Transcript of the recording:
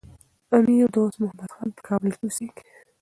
امیر دوست محمد خان په کابل کي اوسېږي.